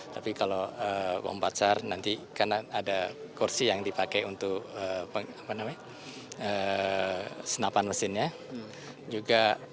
tapi kalau bombasar nanti karena ada kursi yang dipakai untuk senapan mesinnya